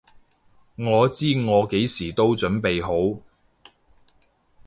我知我幾時都準備好！